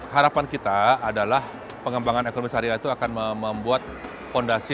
harapan kita adalah pengembangan ekonomi syariah itu akan membuat fondasi